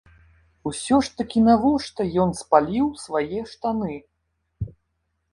Усё ж такі навошта ён спаліў свае штаны?